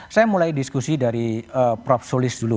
saya mulai diskusi dari prof solis dulu